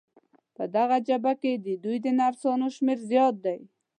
په دغه جبهه کې د دوی د نرسانو شمېر زیات دی.